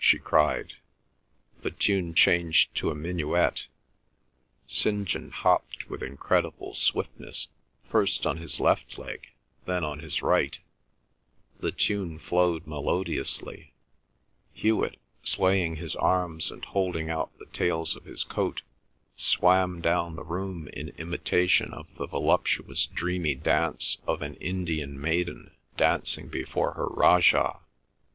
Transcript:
she cried. The tune changed to a minuet; St. John hopped with incredible swiftness first on his left leg, then on his right; the tune flowed melodiously; Hewet, swaying his arms and holding out the tails of his coat, swam down the room in imitation of the voluptuous dreamy dance of an Indian maiden dancing before her Rajah.